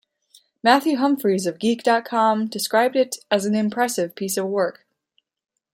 Matthew Humphries of Geek dot com described it as "an impressive piece of work".